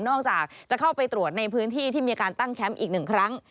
อกจากจะเข้าไปตรวจในพื้นที่ที่มีการตั้งแคมป์อีกหนึ่งครั้ง